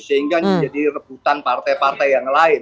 sehingga menjadi rebutan partai partai yang lain